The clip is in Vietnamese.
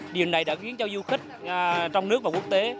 điều này đã khiến cho du khách trong nước và quốc tế